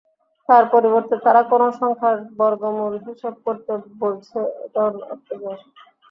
তার পরিবর্তে তাঁরা কোনো সংখ্যার বর্গমূল হিসাব করতে বলছে, এটা অত্যাচার।